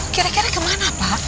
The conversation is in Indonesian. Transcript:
kira kira kemana pak